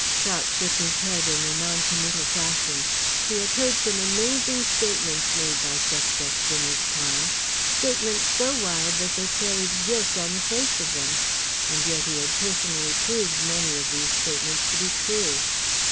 Prout shook his head in a non committal fashion. He had heard some amazing statements made by suspects in his time, statements so wild that they carried guilt on the face of them. And yet he had personally proved many of these statements to be true.